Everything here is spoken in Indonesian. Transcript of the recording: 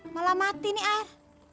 malah mati nih air